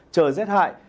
trời rét hại